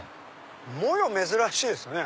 モヨ珍しいですよね。